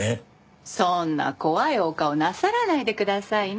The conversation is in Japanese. そんな怖いお顔なさらないでくださいな。